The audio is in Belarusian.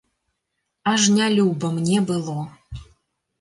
Аж нялюба мне было.